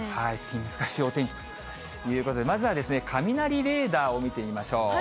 気難しいお天気ということで、まずはですね、雷レーダーを見てみましょう。